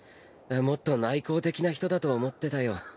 もっと内向的な人だと思ってたよ。